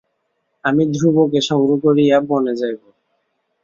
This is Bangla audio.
আমি ধ্রুবকে সঙ্গে করিয়া বনে যাইব।